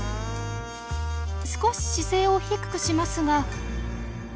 少し姿勢を低くしますが。